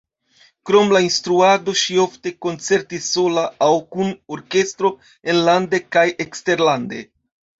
Krom la instruado ŝi ofte koncertis sola aŭ kun orkestro enlande kaj eksterlande.